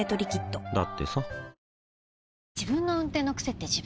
だってさ